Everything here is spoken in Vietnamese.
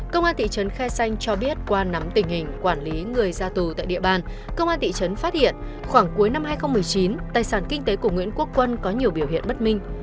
công an thị trấn khe xanh cho biết qua nắm tình hình quản lý người ra tù tại địa bàn công an thị trấn phát hiện khoảng cuối năm hai nghìn một mươi chín tài sản kinh tế của nguyễn quốc quân có nhiều biểu hiện bất minh